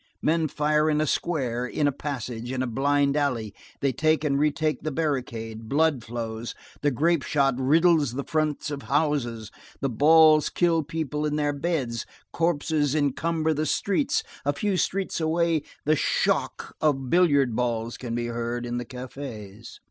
Men fire in a square, in a passage, in a blind alley; they take and re take the barricade; blood flows, the grape shot riddles the fronts of the houses, the balls kill people in their beds, corpses encumber the streets. A few streets away, the shock of billiard balls can be heard in the cafés.